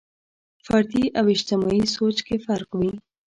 فردي او اجتماعي سوچ کې فرق وي.